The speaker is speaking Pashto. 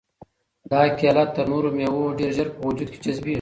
دا کیله تر نورو مېوو ډېر ژر په وجود کې جذبیږي.